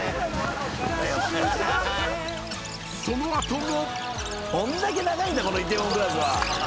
［その後も］